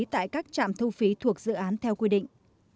tại các trạm thu phí thuộc dự án theo quy định